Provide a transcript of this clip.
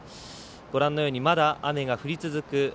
ご覧のようにまだ雨が降り続く